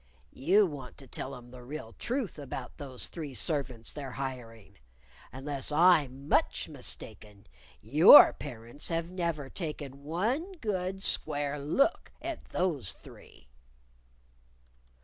"You want to tell 'em the real truth about those three servants they're hiring. Unless I'm much mistaken, your parents have never taken one good square look at those three."